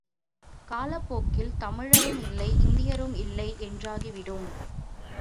காலப்போக்கில் தமிழரும் இல்லை, இந்தியரும் இல்லை என்றாகிவிடும்.